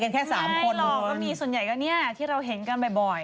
แค่๓คนก็มีส่วนใหญ่ก็เนี่ยที่เราเห็นกันบ่อย